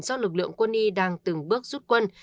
do lực lượng quân y đang từng bước rút quân